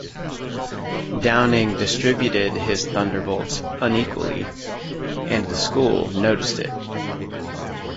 Downing distributed his thunderbolts unequally, and the school noticed it.